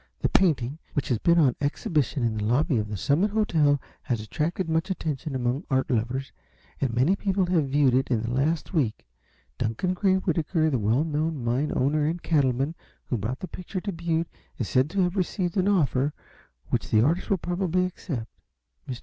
The painting, which has been on exhibition in the lobby of the Summit Hotel, has attracted much attention among art lovers, and many people have viewed it in the last week. Duncan Gray Whitaker, the well known mine owner and cattleman, who brought the picture to Butte, is said to have received an offer which the artist will probably accept. Mr.